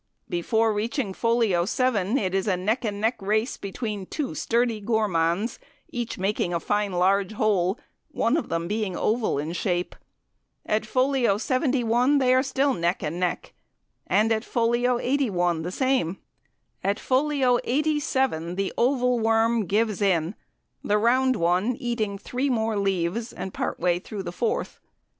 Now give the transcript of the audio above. Before reaching folio 7, it is a neck and neck race between two sturdy gourmands, each making a fine large hole, one of them being oval in shape. At folio 71 they are still neck and neck, and at folio 81 the same. At folio 87 the oval worm gives in, the round one eating three more leaves and part way through the fourth.